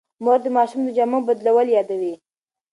مور د ماشوم د جامو بدلول یادوي.